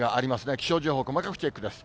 気象情報、細かくチェックです。